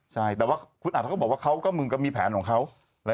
ใช่แต่ว่าคุณอัดเขาก็บอกว่าเขาก็มึงก็มีแผนของเขา